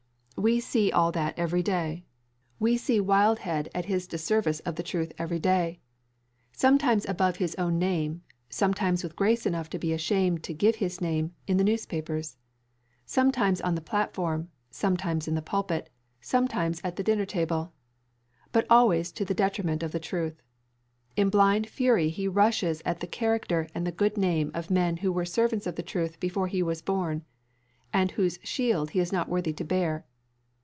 We see all that every day. We see Wildhead at his disservice of the truth every day. Sometimes above his own name, and sometimes with grace enough to be ashamed to give his name, in the newspapers. Sometimes on the platform; sometimes in the pulpit; and sometimes at the dinner table. But always to the detriment of the truth. In blind fury he rushes at the character and the good name of men who were servants of the truth before he was born, and whose shield he is not worthy to bear.